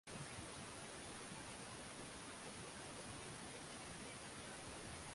kubwa kwa watu wengi alisema Daktari Tulia Ni mtu ambaye ulikuwa unampigia simu